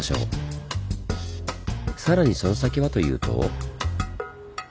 さらにその先はというと。